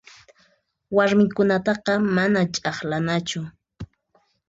Warmikunataqa mana ch'aqlanachu.